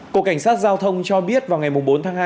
cục cảnh sát giao thông cho biết vào ngày bốn tháng hai